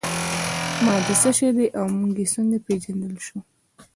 ماده څه شی ده او موږ یې څنګه پیژندلی شو